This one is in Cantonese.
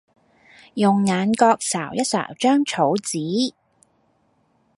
用眼角睄一睄張草紙